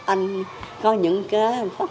anh có những cái tốt có những cái việc không đúng